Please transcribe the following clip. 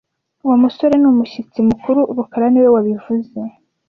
Uwo musore ni umushyitsi mukuru rukara niwe wabivuze